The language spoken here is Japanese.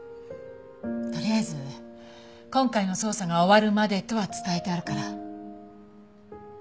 とりあえず今回の捜査が終わるまでとは伝えてあるから。